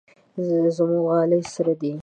زموږ غالۍ سره ده.